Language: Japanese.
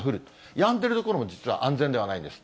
やんでる所も実は安全ではないんです。